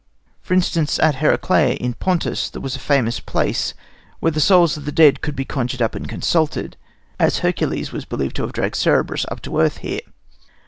For instance, at Heraclea in Pontus there was a famous [Greek: psychomanteion], or place where the souls of the dead could be conjured up and consulted, as Hercules was believed to have dragged Cerberus up to earth here.